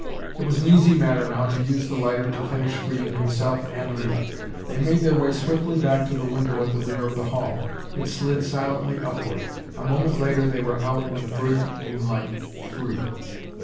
It was an easy matter now to use the lighter to finish freeing himself and Leah. They made their way swiftly back to the window at the rear of the hall. It slid silently upward. A moment later, and they were out in the brilliant moonlight free.